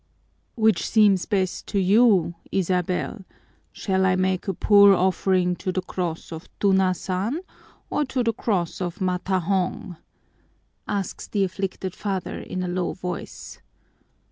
"Which seems best to you, Isabel, shall I make a poor offering to the cross of Tunasan or to the cross of Matahong?" asks the afflicted father in a low voice.